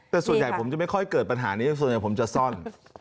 แต่ส่วนใหญ่ผมจะไม่ค่อยเกิดปัญหานี้ส่วนใหญ่ผมจะซ่อน